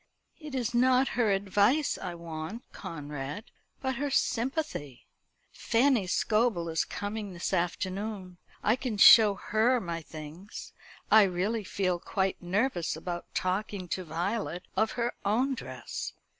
"It is not her advice I want, Conrad; but her sympathy. Fanny Scobel is coming this afternoon. I can show her my things. I really feel quite nervous about talking to Violet of her own dress.